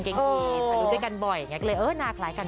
รู้จักกันอย่างงี้เลยน่าคล้ายกัน